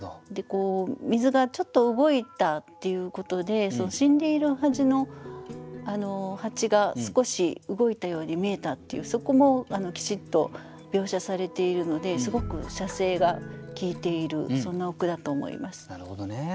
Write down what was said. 水がちょっと動いたっていうことで死んでいるはずの蜂が少し動いたように見えたっていうそこもきちっと描写されているのですごく写生がきいているそんなお句だと思います。